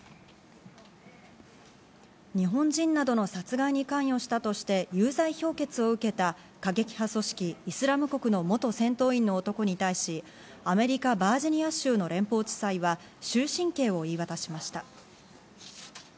日本人などの殺害に関与したとして有罪評決を受けた過激派組織イスラム国の元戦闘員の男に対し、アメリカ・バージニア州の連邦地裁は、終身刑を言い渡しました。